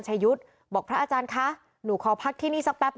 เมื่อวานแบงค์อยู่ไหนเมื่อวาน